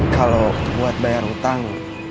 kalau buat bayar utang